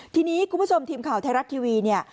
ทีนี้คุณผู้ชมทีมข่าวไทรัสทีวี